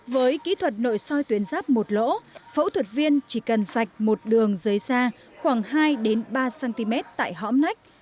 với kỹ thuật nội soi tuyến ráp một lỗ phẫu thuật viên chỉ cần sạch một đường dưới da khoảng hai ba cm tại hõm nách